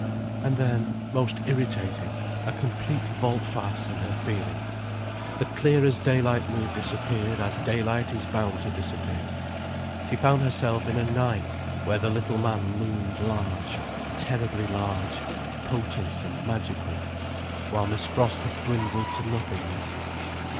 And then, most irritating, a complete volte face in her feelings. The clear as daylight mood disappeared as daylight is bound to disappear. She found herself in a night where the little man loomed large, terribly large, potent and magical, while Miss Frost had dwindled to nothingness.